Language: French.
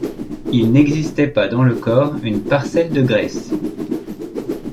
Il n’existait pas dans le corps une parcelle de graisse.